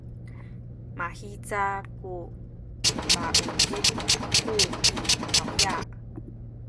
mahiza ku nikauzip aku i tawya.